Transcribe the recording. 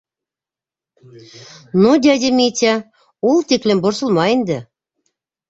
— Ну, дядя Митя, ул тиклем борсолма инде.